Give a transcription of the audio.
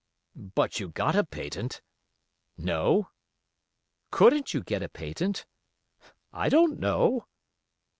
"But you got a patent?" "No." "Couldn't you get a patent?" "I don't know."